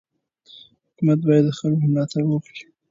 حکومت باید د خلکو ملاتړ وکړي.